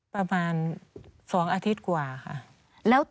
ประมาณ๒อาทิตย์กว่าค่ะ